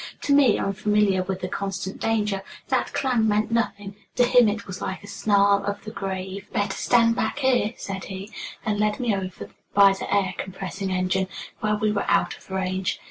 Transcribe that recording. To me, unfamiliar with the constant danger, that clang meant nothing; to him it was like a snarl of the grave. "Better stand back here," said he, and led me over by the air compressing engine, where we were out of range.